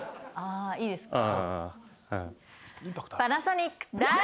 あいいですか？